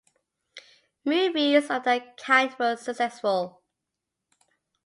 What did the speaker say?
Movies of that kind were successful.